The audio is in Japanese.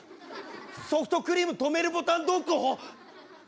ソフトクリーム止めるボタンどこ？